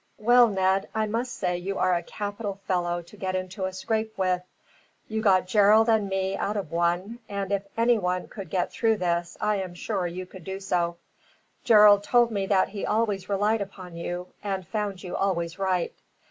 "Well, Ned, I must say you are a capital fellow to get into a scrape with. You got Gerald and me out of one, and if anyone could get through this, I am sure you could do so. Gerald told me that he always relied upon you, and found you always right.